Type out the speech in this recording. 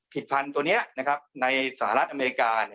ผิดพันต์ตัวนี้ในสาธาราชอเมริกา